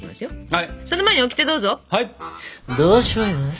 はい。